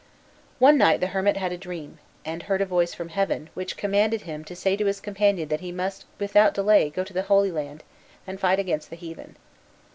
One night the hermit had a dream, and heard a voice from heaven, which commanded him to say to his companion that he must without delay go to the Holy Land, and fight against the heathen.